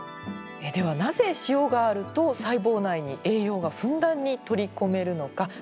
ではなぜ塩があると細胞内に栄養がふんだんに取り込めるのか。